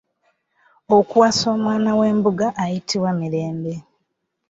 Okuwasa omwana w’embuga ayitibwa Mirembe.